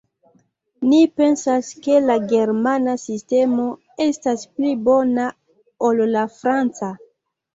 Ni pensas ke la germana sistemo estas pli bona ol la franca.